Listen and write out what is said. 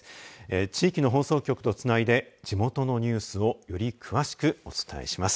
地域の放送局とつないで地元のニュースをより詳しくお伝えします。